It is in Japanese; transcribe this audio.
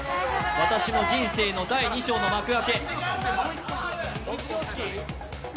私の人生の第二章の幕開け。